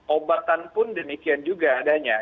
obatan pun demikian juga adanya